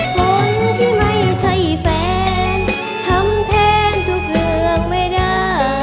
ฝนที่ไม่ใช่แฟนทำแทนทุกเรื่องไม่ได้